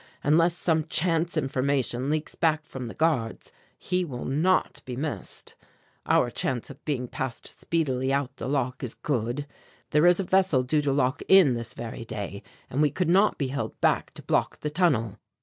Unless some chance information leaks back from the guards, he will not be missed. Our chance of being passed speedily out the lock is good there is a vessel due to lock in this very day and we could not be held back to block the tunnel.